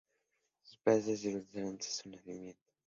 Sus padres se divorciaron tras su nacimiento.